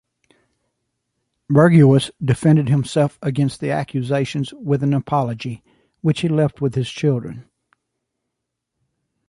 Bergius defended himself against the accusations with an apology, which he left with his children.